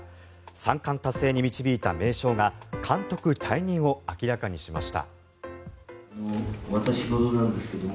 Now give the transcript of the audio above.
３冠達成に導いた名将が監督退任を明らかにしました。